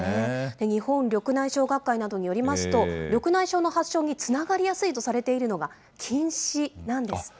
日本緑内障学会などによりますと、緑内障の発症につながりやすいとされているのが、近視なんですっ